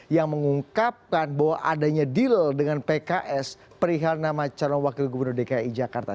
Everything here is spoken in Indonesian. yang mengungkapkan bahwa adanya deal dengan pks perihal nama calon wakil gubernur dki jakarta